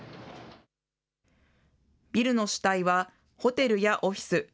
ビルの主体はホテルやオフィス。